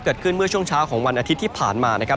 เกิดขึ้นเมื่อช่วงเช้าของวันอาทิตย์ที่ผ่านมานะครับ